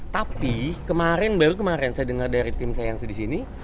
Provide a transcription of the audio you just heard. tapi kemarin baru kemarin saya dengar dari tim saya yang di sini